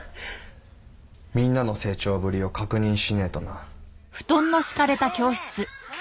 みんなの成長ぶりを確認しねえとなねえねえ